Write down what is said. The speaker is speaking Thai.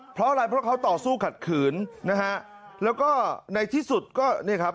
เพราะอะไรเพราะเขาต่อสู้ขัดขืนนะฮะแล้วก็ในที่สุดก็เนี่ยครับ